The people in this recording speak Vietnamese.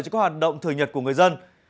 cho các hoạt động thừa nhật của người dân